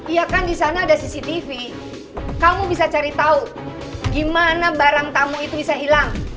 iya kan di sana ada cctv kamu bisa cari tahu gimana barang tamu itu bisa hilang